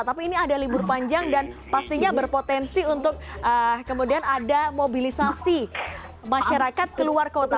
tapi ini ada libur panjang dan pastinya berpotensi untuk kemudian ada mobilisasi masyarakat ke luar kota